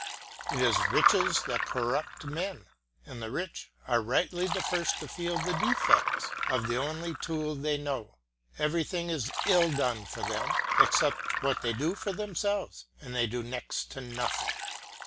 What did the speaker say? It is riches that corrupt men, and the rich are rightly the first to feel the defects of the only tool they know. Everything is ill done for them, except what they do themselves, and they do next to nothing.